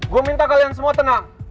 gue minta kalian semua tenang